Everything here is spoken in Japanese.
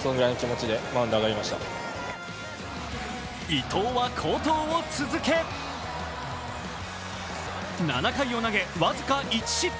伊藤は好投を続け７回を投げ、僅か１失点。